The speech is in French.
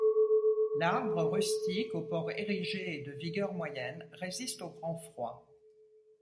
L'arbre rustique au port érigé et de vigueur moyenne résiste aux grands froids.